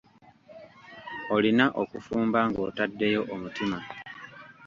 Olina okufumba ng'otaddeyo omutima.